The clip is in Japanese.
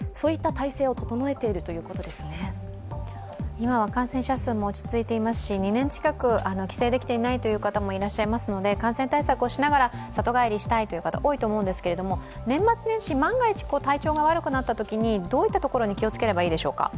今は感染者数も落ち着いていますし２年近く帰省できていないという方もいらっしゃいますので感染対策をしながら里帰りしたいという方多いと思うんですけど、年末年始、万が一体調が悪くなったときにどういったところに気をつければいいでしょうか。